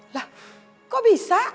lah kok bisa